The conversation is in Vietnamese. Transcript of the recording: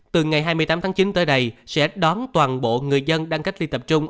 từ ngày hai mươi tám tháng chín tới đây sẽ đón toàn bộ người dân đang cách ly tập trung